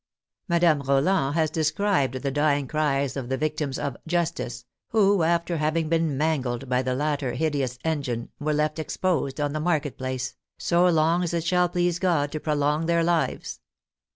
Madame Roland has described the dying cries of the vic tims of " justice," who, after having been mangled by the latter hideous engine, were left exposed on the mar ket place, " so long as it shall please God to prolong their lives."